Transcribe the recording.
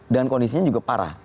dan kondisinya juga parah